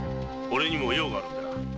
オレにも用があるんだ。